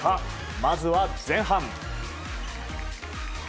まず、前半。